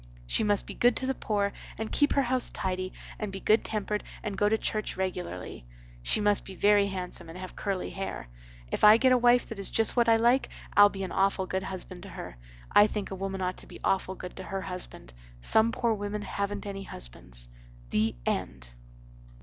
She must be good to the poor and keep her house tidy and be good tempered and go to church regularly. She must be very handsome and have curly hair. If I get a wife that is just what I like Ill be an awful good husband to her. I think a woman ought to be awful good to her husband. Some poor women haven't any husbands. "'THE END.